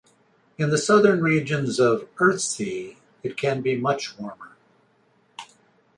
In the southern regions of Earthsea it can be much warmer.